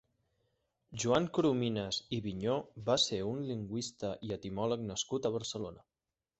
Joan Coromines i Vigneaux va ser un lingüista i etimòleg nascut a Barcelona.